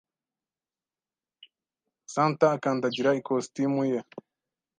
Santa akandagira ikositimu ye